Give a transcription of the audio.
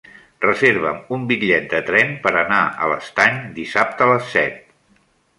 Reserva'm un bitllet de tren per anar a l'Estany dissabte a les set.